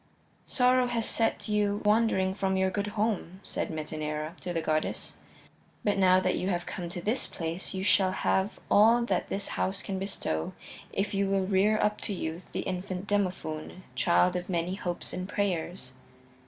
"Sorrow has set you wandering from your good home," said Metaneira to the goddess, "but now that you have come to this place you shall have all that this house can bestow if you will rear up to youth the infant Demophoon, child of many hopes and prayers."